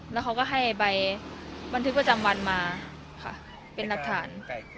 แล้วเขาก็ให้ใบบันทึกประจำวันมาค่ะเป็นหลักฐาน